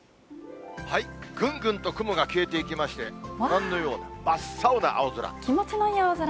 ぐんぐんと雲が消えていきまして、ご覧のように、真っ青な青空。